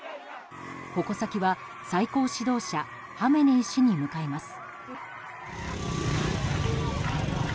矛先は、最高指導者ハメネイ師に向かいます。